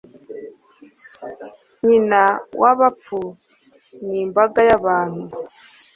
Nyina wabapfu nimbaga yabantu